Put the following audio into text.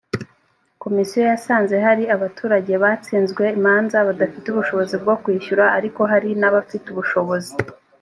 komisiyo yasanze hari abaturage batsinzwe imanza badafite ubushobozi bwo kwishyura ariko hari n abafite ubushobozi